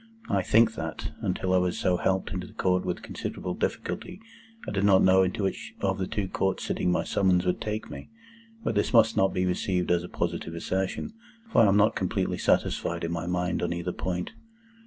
I think that, until I was so helped into the Old Court with considerable difficulty, I did not know into which of the two Courts sitting my summons would take me. But this must not be received as a positive assertion, for I am not completely satisfied in my mind on either point.